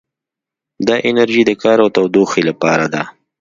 دا انرژي د کار او تودوخې لپاره ده.